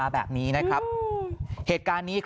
อารมณ์ไม่ดีเพราะว่าอะไรฮะ